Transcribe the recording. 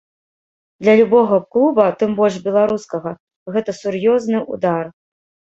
Для любога клуба, тым больш беларускага, гэта сур'ёзны ўдар.